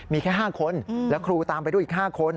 มีแค่๕คนและครูตามไปด้วยอีก๕คน